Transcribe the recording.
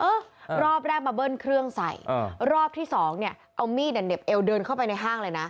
อืมรอบแรกมาเปิ้ลเครื่องใส่รอบที่๒เนี่ยเอามีด่ะเน็บเอวเดินเข้าไปในห้างเลยนะ